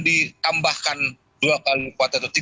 ditambahkan dua kali kuat atau